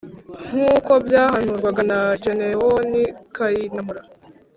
nkuko byahanurwaga na gedewoni kayinamura